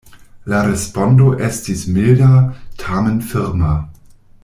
La respondo estis milda, tamen firma.